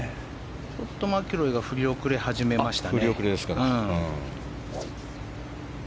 ちょっとマキロイが振り遅れ始めましたね。